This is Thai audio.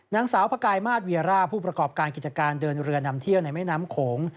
นางสาวพระกายมาสเวียร่าผู้ประกอบการกิจการเดินเรือนำเที่ยวในแม่น้ำโขง